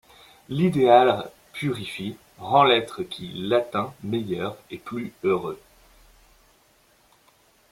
L'idéal purifie, rend l'être qui l'atteint meilleur et plus heureux.